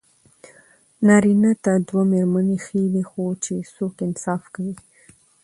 نارېنه ته دوه ميرمني ښې دي، خو چې څوک انصاف کوي